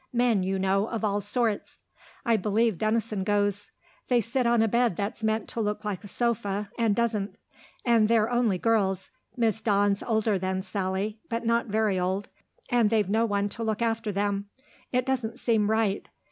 Men, you know, of all sorts. I believe Denison goes. They sit on a bed that's meant to look like a sofa and doesn't. And they're only girls Miss Dawn's older than Sally, but not very old and they've no one to look after them; it doesn't seem right.